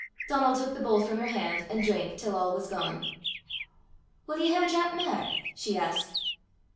Donal took the bowl from her hand, and drank till all was gone. "Wull ye hae a drap mair?" she asked.